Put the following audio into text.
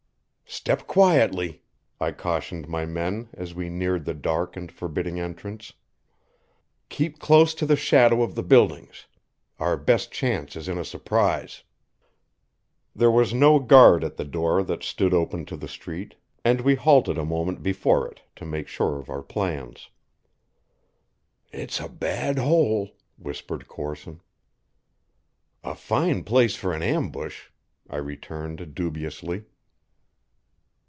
"Step quietly," I cautioned my men, as we neared the dark and forbidding entrance. "Keep close to the shadow of the buildings. Our best chance is in a surprise." There was no guard at the door that stood open to the street, and we halted a moment before it to make sure of our plans. "It's a bad hole," whispered Corson. "A fine place for an ambush," I returned dubiously.